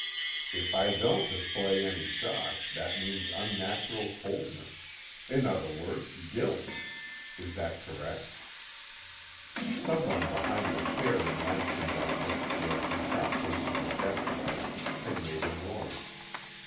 If I don't display any shock, that means unnatural coldness; in other words, guilt. Is that correct?" Someone behind the chair in Lamson's office where she sat facing the desk light had made a noise.